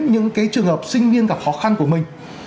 những trường hợp sinh viên gặp khó khăn của mình